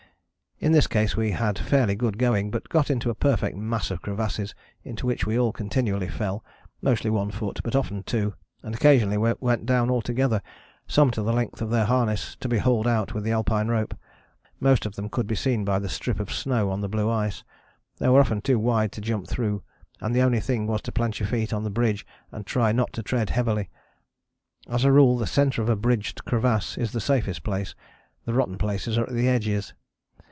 In this case we had fairly good going, but got into a perfect mass of crevasses into which we all continually fell; mostly one foot, but often two, and occasionally we went down altogether, some to the length of their harness to be hauled out with the Alpine rope. Most of them could be seen by the strip of snow on the blue ice. They were often too wide to jump though, and the only thing was to plant your feet on the bridge and try not to tread heavily. As a rule the centre of a bridged crevasse is the safest place, the rotten places are at the edges.